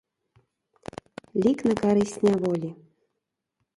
Лік на карысць няволі.